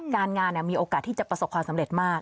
การงานมีโอกาสที่จะประสบความสำเร็จมาก